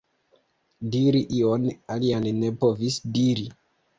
Diri ion alian ne povis diri.